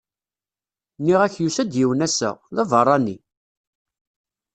Nniɣ-ak yusa-d yiwen ass-a! d aberrani.